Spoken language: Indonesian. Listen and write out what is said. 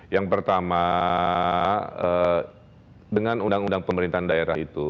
yang pertama dengan undang undang pemerintahan daerah itu